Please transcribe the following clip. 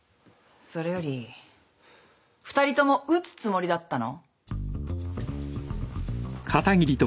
それより２人とも撃つつもりだったの？